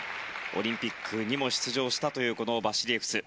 オリンピックにも出場したというバシリエフス。